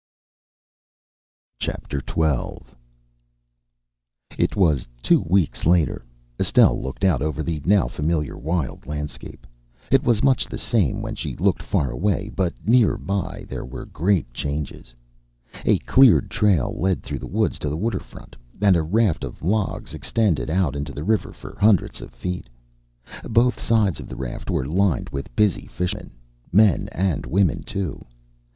XII. It was two weeks later. Estelle looked out over the now familiar wild landscape. It was much the same when she looked far away, but near by there were great changes. A cleared trail led through the woods to the waterfront, and a raft of logs extended out into the river for hundreds of feet. Both sides of the raft were lined with busy fishermen men and women, too.